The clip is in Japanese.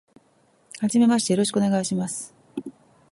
はじめまして、よろしくお願いします。